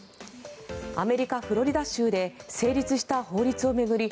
アメリカ・フロリダ州で成立した法律を巡り